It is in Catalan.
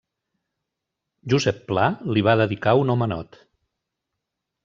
Josep Pla li va dedicar un homenot.